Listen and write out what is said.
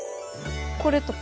これとか？